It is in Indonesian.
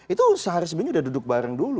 itu seharusnya udah duduk bareng dulu